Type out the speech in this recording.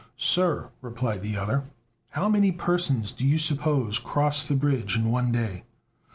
"Sir," replied the other, "how many persons, do you suppose, cross the bridge in one day?"